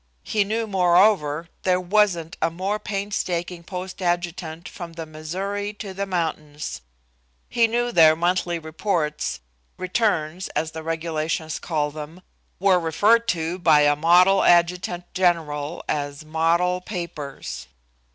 He knew, moreover, there wasn't a more painstaking post adjutant from the Missouri to the mountains. He knew their monthly reports "returns" as the regulations call them were referred to by a model adjutant general as model papers.